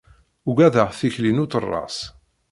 Ugadeɣ tikli n uterras